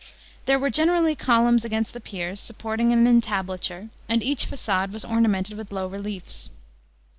There were generally columns against the piers, supporting an entablature, and each fa9ade was ornamented with low reliefs.